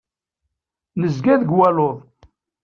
Nezga deg waluḍ.